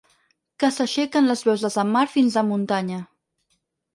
Que s’aixequen les veus des de mar fins a muntanya.